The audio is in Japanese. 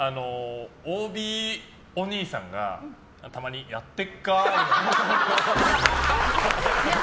ＯＢおにいさんがたまに、やってっかー？